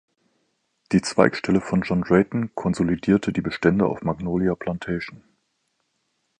Die Zweigstelle von John Drayton konsolidierte die Bestände auf Magnolia Plantation.